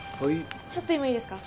ちょっと今いいですか？